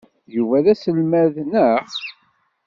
Yuba d aselmad, naɣ?